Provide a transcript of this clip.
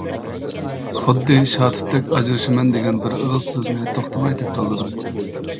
خۇددى شاتۇتتەك ئاجرىشىمەن دېگەن بىر ئېغىز سۆزنى توختىماي تەكرارلىدىڭ.